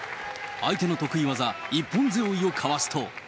相手の得意技、一本背負いをかわすと。